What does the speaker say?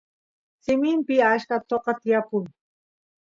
simimpi achka toqa tiyapun